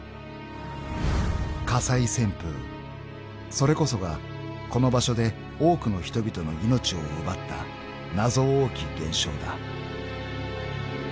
［それこそがこの場所で多くの人々の命を奪った謎多き現象だ］